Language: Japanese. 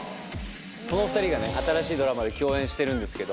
この２人がね新しいドラマで共演してるんですけど。